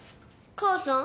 母さん！